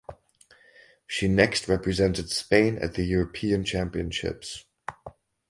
She next represented Spain at the European Championships.